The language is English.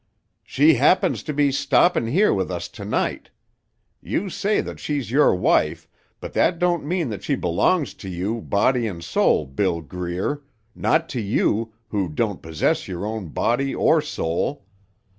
"She happens to be stoppin' here with us to night. You say that she's your wife, but that don't mean that she belongs to you, body and soul, Bill Greer not to you, who don't possess your own body, or soul.